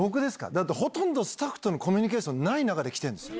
だってほとんど、スタッフとのコミュニケーションない中で来てるんですよ。